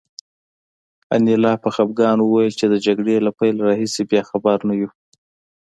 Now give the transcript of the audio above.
انیلا په خپګان وویل چې د جګړې له پیل راهیسې بیا خبر نه یو